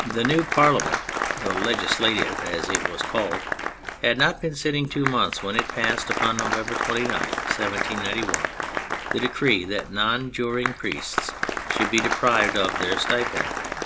The new Parliament, the " Legislative '* as it was called, had not been sitting two months when it passed, upon November 29, 1791, the decree that non juring priests should be deprived of their stipend.